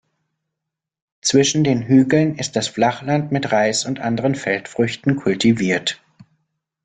Zwischen den Hügeln ist das Flachland mit Reis und anderen Feldfrüchten kultiviert.